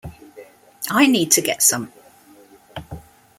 I need to get some.